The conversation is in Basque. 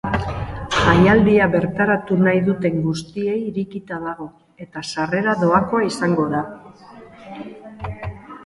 Jaialdia bertaratu nahi duten guztiei irekita dago eta sarrera doakoa izango da.